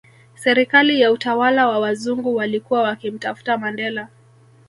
Serikali ya utawala wa wazungu walikuwa wakimtafuta Mandela